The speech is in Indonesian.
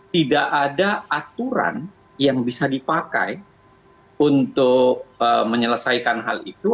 tidak ada aturan yang bisa dipakai untuk menyelesaikan hal itu